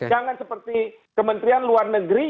jangan seperti kementerian luar negeri